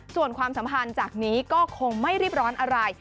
ส่วนความสัมพันธ์จากนี้ก็คงไม่รีบร้อนอะไร